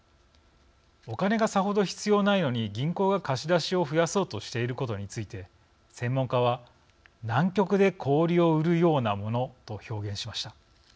お金がさほど必要ないのに銀行が貸し出しを増やそうとしていることについて専門家は南極で氷を売るようなものと表現しました。